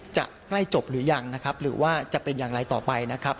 ใกล้จบหรือยังนะครับหรือว่าจะเป็นอย่างไรต่อไปนะครับ